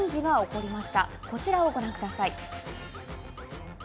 こちらをご覧ください。